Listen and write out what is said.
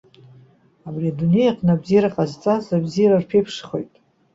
Абри адунеи аҟны абзиара ҟазҵаз, абзиара рԥеиԥшхоит.